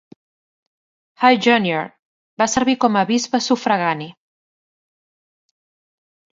High Junior va servir com a bisbe sufragani.